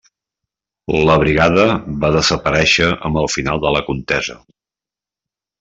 La brigada va desaparèixer amb el final de la contesa.